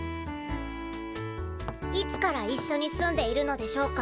いつから一緒に住んでいるのでしょうか？